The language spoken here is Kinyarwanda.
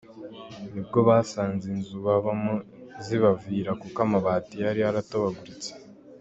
Nibwo basanze inzu babamo zibavira kuko amabati yari yaratobaguritse.